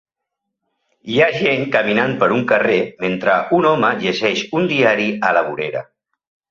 Hi ha gent caminant per un carrer mentre un home llegeix un diari a la vorera.